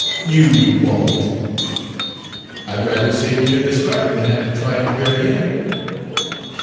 "You won't!" "I'd rather save you near the start, than have to try at the very end."